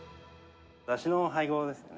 だしの配合です。